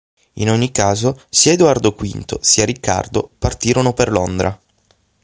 In ogni caso, sia Edoardo V sia Riccardo, partirono per Londra.